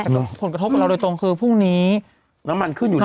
แต่ผลกระทบกับเราโดยตรงคือพรุ่งนี้น้ำมันขึ้นอยู่แล้ว